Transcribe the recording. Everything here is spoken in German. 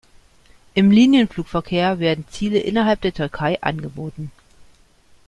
Im Linienflugverkehr werden Ziele innerhalb der Türkei angeboten.